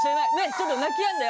ちょっと泣きやんで。